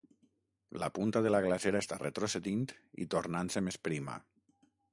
La punta de la glacera està retrocedint i tornant-se més prima.